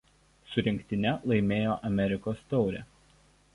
Su rinktine laimėjo Amerikos taurę.